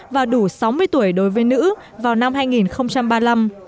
và đủ sáu mươi tuổi đối với nữ vào năm hai nghìn ba mươi năm